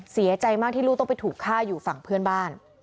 เสียใจมากที่ลูกต้องไปถูกฆ่าอยู่ฝั่งเพื่อนบ้าน